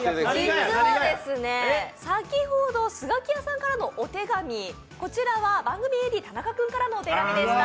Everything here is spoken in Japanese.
実はですね、先ほどスガキヤさんからのお手紙、こちらは番組ＡＤ田中君からのお手紙でした。